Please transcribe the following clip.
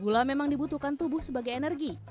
gula memang dibutuhkan tubuh sebagai energi